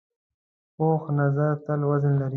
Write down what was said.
پوخ نظر تل وزن لري